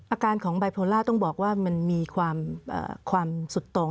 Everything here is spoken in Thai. อาการของไบโพล่าต้องบอกว่ามันมีความสุดตรง